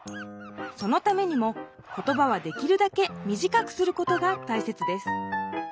そのためにも言葉はできるだけみじかくすることがたいせつです。